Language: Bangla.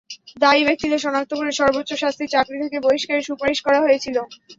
দায়ী ব্যক্তিদের শনাক্ত করে সর্বোচ্চ শাস্তি চাকরি থেকে বহিষ্কারের সুপারিশ করা হয়েছিল।